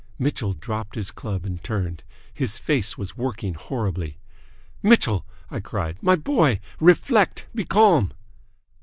Mitchell dropped his club and turned. His face was working horribly. "Mitchell!" I cried. "My boy! Reflect! Be calm!"